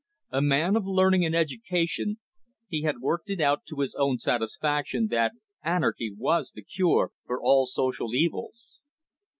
A man of learning and education, he had worked it out to his own satisfaction that anarchy was the cure for all social evils.